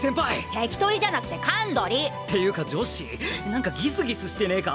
セキトリじゃなくてカンドリ！っていうか女子なんかギスギスしてねえか？